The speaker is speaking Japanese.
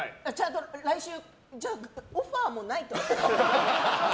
来週オファーもないってこと？